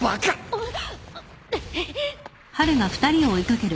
あっ。